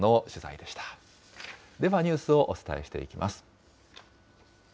ではニュースをお伝えしていきます。